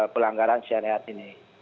pelanggaran syariat ini